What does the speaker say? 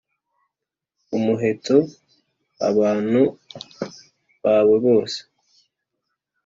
umuheto Abantu bawe bose